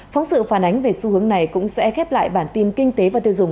phóng sự phản ánh về xu hướng này cũng sẽ khép lại bản tin kinh tế và tiêu dùng